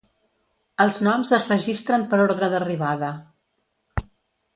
Els noms es registren per ordre d'arribada.